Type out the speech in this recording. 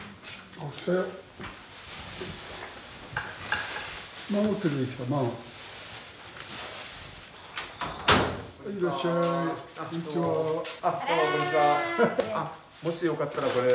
あら！もしよかったらこれ。